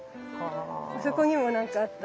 そこにも何かあった。